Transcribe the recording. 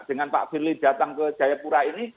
dengan pak firly datang ke jayapura ini